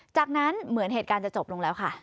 จากนั้นเหมือนเหตุการณ์จะจบลงแล้วค่ะ